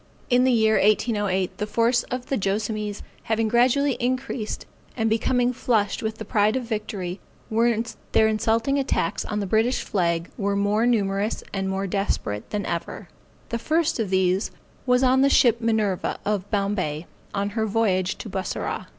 In the year 1808, the force of the Joassamees having gradually increased, and becoming flushed with the pride of victory, their insulting attacks on the British flag were more numerous and more desperate than ever. The first of these was on the ship Minerva, of Bombay, on her voyage to Bussorah.